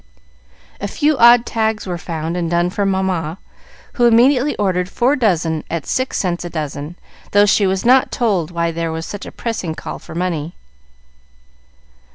A few odd tags were found and done for Mamma, who immediately ordered four dozen at six cents a dozen, though she was not told why there was such a pressing call for money.